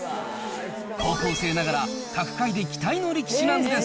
高校生ながら角界で期待の力士なんです。